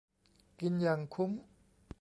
กินอย่างคุ้ม